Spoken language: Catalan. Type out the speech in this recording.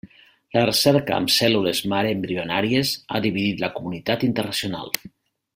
La recerca amb cèl·lules mare embrionàries ha dividit la comunitat internacional.